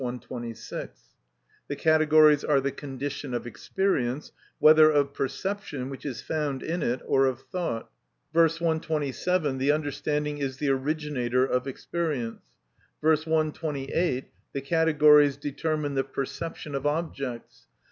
126, the "categories are the condition of experience, whether of perception, which is found in it, or of thought." V. p. 127, the understanding is the originator of experience. V. p. 128, the categories determine the perception of objects.